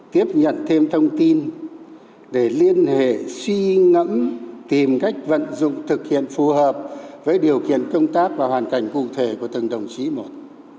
tiếp nhận thêm thông tin để liên hệ suy ngẫm tìm cách vận dụng thực hiện phù hợp với điều kiện công tác và hoàn cảnh cụ thể của từng đồng chí một